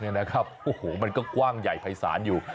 นี่นะครับโอ้โหมันก็กว้างใหญ่ภัยศาลอยู่